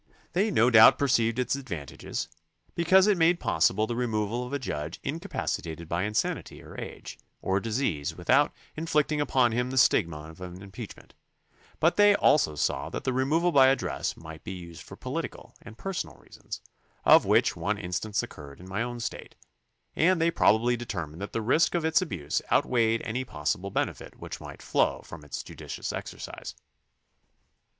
They no doubt perceived its advantages, because it made possible the removal of a judge in THE CONSTITUTION AND ITS MAKERS 75 capacitated by insanity, or age, or disease without in flicting upon him the stigma of an impeachment, but they also saw that the removal by address might be used for political and personal reasons, of which one instance occurred in my own State, and they probably determined that the risk of its abuse outweighed any possible benefit which might flow from its judicious exercise.